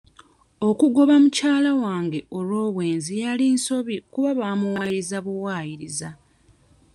Okugoba mukyala wange olw'obwenzi yali nsobi kuba baamuwayiriza buwaayiriza.